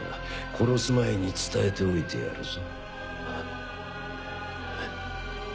殺す前に伝えておいてやるぞ。